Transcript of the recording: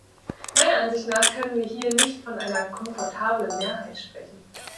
Meiner Ansicht nach können wir hier nicht von einer "komfortablen" Mehrheit sprechen.